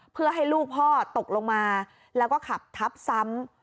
เพื่อให้ลูกพ่อตกลงมาแล้วก็ขับทับซ้ำ